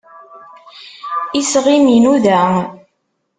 Iseɣ-im inuda.